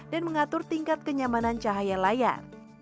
dan mengatur tingkat kenyamanan cahaya layar